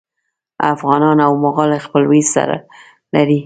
افغانان او مغول خپلوي سره لري.